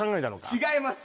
違います